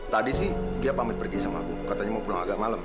tadi sih dia pamit pergi sama aku katanya mau pulang agak malem